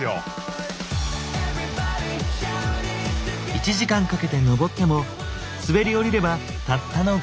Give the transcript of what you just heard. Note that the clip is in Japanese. １時間かけて登っても滑り降りればたったの５分。